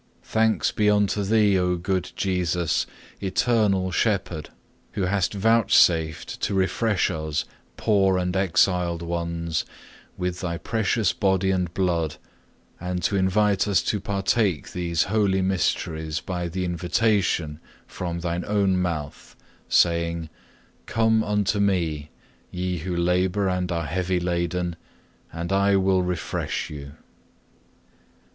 Thanks be unto Thee, O good Jesus, Eternal Shepherd, who hast vouchsafed to refresh us, poor and exiled ones, with Thy precious Body and Blood, and to invite us to partake these holy mysteries by the invitation from Thine own mouth, saying, Come unto Me, ye who labour and are heavy laden, and I will refresh you.